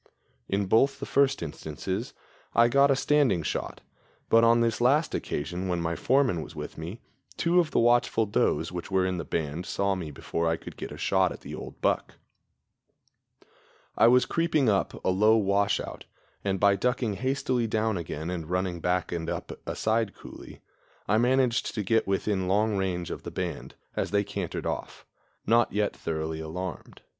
In both the first instances I got a standing shot, but on this last occasion, when my foreman was with me, two of the watchful does which were in the band saw me before I could get a shot at the old buck. I was creeping up a low washout, and, by ducking hastily down again and running back and up a side coulee, I managed to get within long range of the band as they cantered off, not yet thoroughly alarmed.